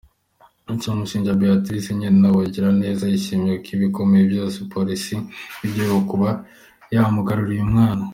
Cyomugisha Béatrice nyina wa Igiraneza, yashimiye bikomeye Polisi y’igihugu kuba yamugaruriye umwana.